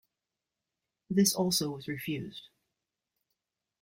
This also was refused.